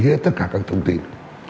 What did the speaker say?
hết tất cả các thông tin